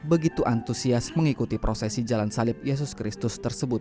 begitu antusias mengikuti prosesi jalan salib yesus kristus tersebut